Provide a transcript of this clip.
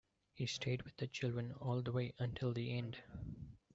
He stayed with the children all the way until the end.